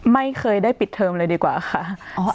ไม่เคยได้ปิดเทอมเลยดีกว่าค่ะ